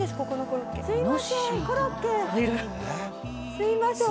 すいません！